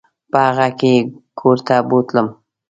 په هغه کې یې کور ته بوتلم.